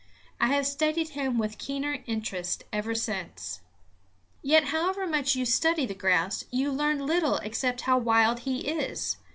I have studied him with keener interest ever since. Yet however much you study the grouse, you learn little except how wild he is.